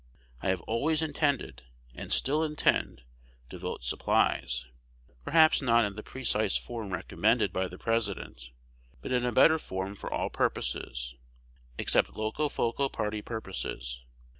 I have always intended, and still intend, to vote supplies; perhaps not in the precise form recommended by the President, but in a better form for all purposes, except Locofoco party purposes.